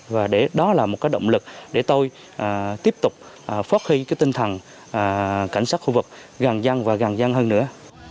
và để đó là một động lực để tôi tiếp tục phát huy cái tinh thần cảnh sát khu vực gần dân và gần dân hơn nữa